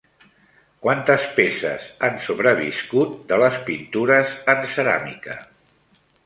Quantes peces han sobreviscut de les pintures en ceràmica?